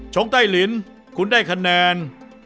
จองไต้ลินคุณได้คะแนน๒๒๙